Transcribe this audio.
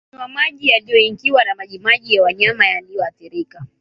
Kunywa maji yaliyoingiwa na majimaji ya wanyama walioathirika